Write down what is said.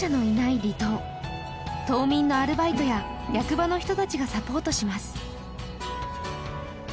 いない離島島民のアルバイトや役場の人達がサポートします